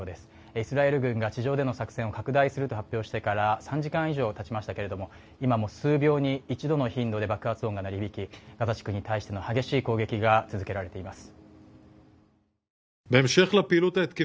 イスラエル軍が地上での作戦を拡大すると発表してから３時間以上たちましたけれども今も数秒に一度の頻度で爆発音が鳴り響き、ガザ地区に対する激しい攻撃が続けられています。